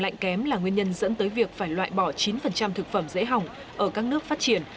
lạnh kém là nguyên nhân dẫn tới việc phải loại bỏ chín thực phẩm dễ hỏng ở các nước phát triển